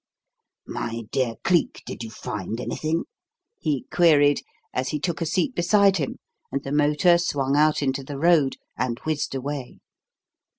"My dear Cleek, did you find anything?" he queried, as he took a seat beside him, and the motor swung out into the road and whizzed away.